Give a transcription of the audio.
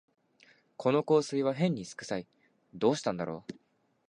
この香水はへんに酢くさい、どうしたんだろう